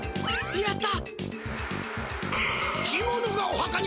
やった！